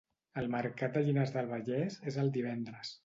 El mercat de Llinars del Vallès és el divendres